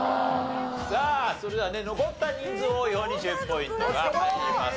さあそれではね残った人数多い方に１０ポイントが入ります。